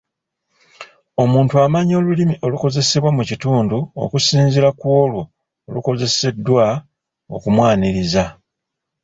Omuntu amanya olulimi olukozesebwa mu kitundu okusinziira ku olwo olubalukozeseddwa okumwaniriza.